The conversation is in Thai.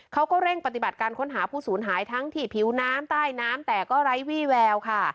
เขาก็เร่งปฏิบัติการค้นหาผู้สูญหายทั้งที่ผิวน้ำใต้น้ำแต่ก็ไร้วี่แววค่ะ